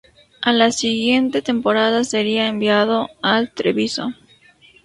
A la siguiente temporada sería enviado al Treviso.